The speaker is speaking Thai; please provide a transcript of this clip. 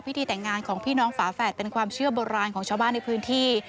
แต่งงานของพี่น้องฝาแฝดเป็นความเชื่อโบราณของชาวบ้านในพื้นที่